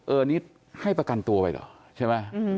เออนี่ให้ประกันตัวไปเหรอใช่ไหม